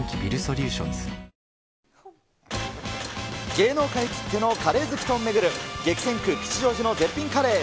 芸能界きってのカレー好きと巡る、激戦区、吉祥寺の絶品カレー。